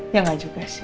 iya gak ada masalah